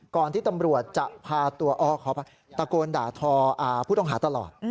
ก่อนที่ตำรวจจะพาตัวขออภัยตะโกนด่าทอผู้ต้องหาตลอด